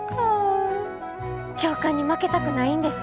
教官に負けたくないんです。